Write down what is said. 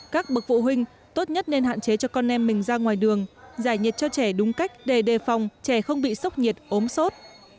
các bậc vụ huynh tốt nhất nên hạn chế cho con em mình ra ngoài đường giải nhiệt cho trẻ đúng cách để đề phòng trẻ không bị sốc nhiệt ốm sốt